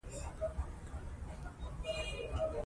هغه په پیل کې نه پوهېده چې څه وکړي.